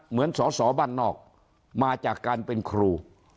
เหมือนสอสอบ้านนอกมาจากการเป็นครู